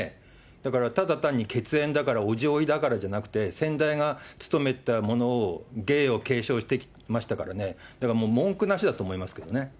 だからただ単に血縁だから伯父、おいだからじゃなくて、先代が勤めたものを、芸を継承してきましたからね、だからもう文句なしだと思いますけどね。